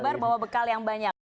lebih sabar bawa bekal yang banyak